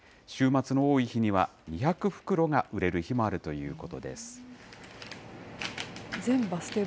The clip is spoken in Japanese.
週末の多い日には、２００袋が売れる日もあるということです。